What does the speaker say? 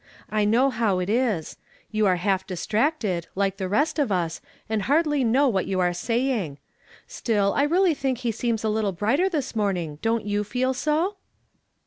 I know liow it is : you are half distracted, like the rest of us, and hardly know what you are saying. Still, 1 really think he seems a little brighter this mormng, don't you feel so?